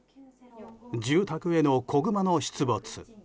住宅への子グマの出没。